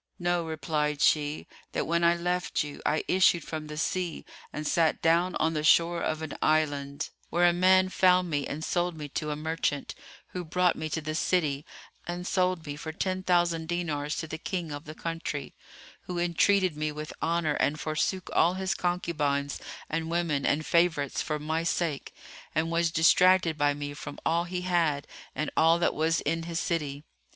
"Know," replied she, "that, when I left you, I issued from the sea and sat down on the shore of an island, where a man found me and sold me to a merchant, who brought me to this city and sold me for ten thousand dinars to the King of the country, who entreated me with honour and forsook all his concubines and women and favourites for my sake and was distracted by me from all he had and all that was in his city."